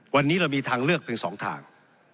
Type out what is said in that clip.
วันนี้เรามีทางเลือกเป็น๒ทาง